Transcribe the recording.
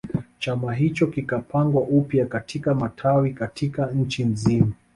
Chama hicho kikapangwa upya katika matawi katika nchi nzima